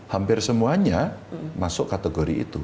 hampir semuanya masuk kategori itu